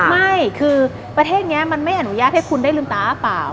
ไม่คือประเทศนี้มันไม่อนุญาตให้คุณได้ลืมตาอ้าเปล่า